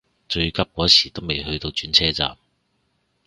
最急嗰時都未去到轉車站